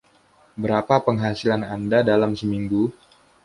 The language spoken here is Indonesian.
Berapa penghasilan Anda dalam seminggu?